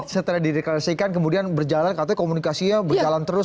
setelah dideklarasikan kemudian berjalan katanya komunikasinya berjalan terus